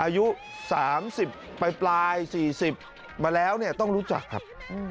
อายุ๓๐ไปปลาย๔๐มาแล้วต้องรู้จักครับ